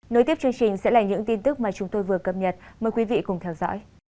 nối tiếp chương trình sẽ là những tin tức mà chúng tôi vừa cập nhật mời quý vị cùng theo dõi